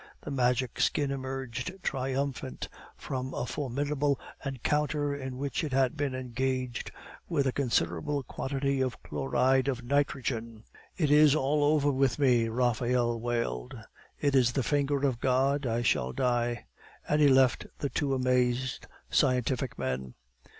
The Magic Skin emerged triumphant from a formidable encounter in which it had been engaged with a considerable quantity of chloride of nitrogen. "It is all over with me," Raphael wailed. "It is the finger of God! I shall die! " and he left the two amazed scientific men.